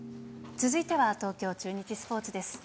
続いては東京中日スポーツです。